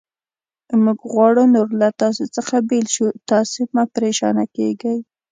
موږ غواړو نور له تاسې څخه بېل شو، تاسې مه پرېشانه کېږئ.